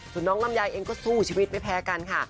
ส่วนน้องลำไยเองก็สู้ชีวิตไม่แพ้กันค่ะ